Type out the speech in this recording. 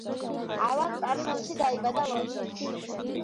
ალან პარსონსი დაიბადა ლონდონში.